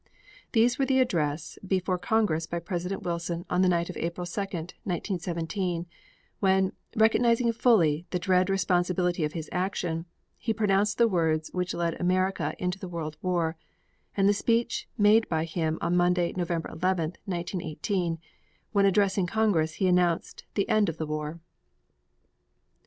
These were the address before Congress by President Wilson on the night of April 2, 1917, when, recognizing fully the dread responsibility of his action, he pronounced the words which led America into the World War, and the speech made by him on Monday, November 11, 1918, when addressing Congress he announced the end of the war.